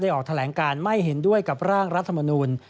ออกแถลงการไม่เห็นด้วยกับร่างรัฐมนูล